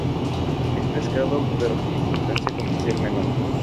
Es pescado, pero con importancia comercial menor.